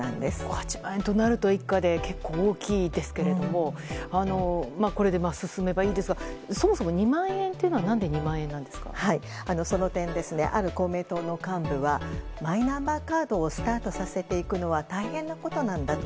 ８万円となると一家で結構大きいですけどもこれで進めばいいですがそもそも２万円というのはその点、ある公明党の幹部はマイナンバーカードをスタートさせていくのは大変なことなんだと。